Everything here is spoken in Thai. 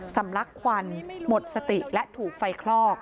ลักควันหมดสติและถูกไฟคลอก